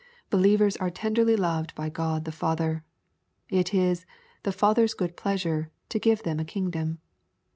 Believers are tenderly loved by God the Father. It is " the Father's good pleasure" to give them a kingdom.